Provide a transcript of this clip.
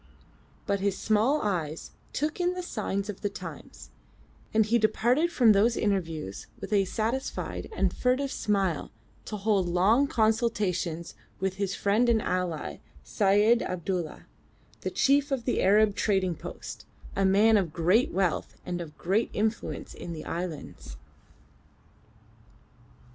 But his small eyes took in the signs of the times, and he departed from those interviews with a satisfied and furtive smile to hold long consultations with his friend and ally, Syed Abdulla, the chief of the Arab trading post, a man of great wealth and of great influence in the islands.